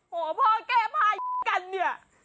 โหพ่อแก้ภายกันเนี่ย